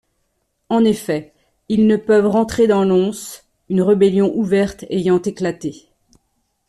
En effet, ils ne peuvent rentrer dans Lons, une rébellion ouverte ayant éclaté.